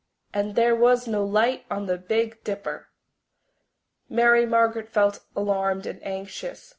And there was no light on the Big Dipper! Mary Margaret felt alarmed and anxious.